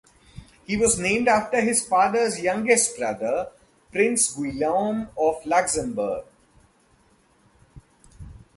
He was named after his father's youngest brother Prince Guillaume of Luxembourg.